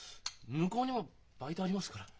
向こうにもバイトありますから。